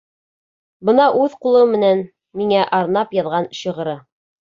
Бына үҙ ҡулы менән миңә арнап яҙған шиғыры: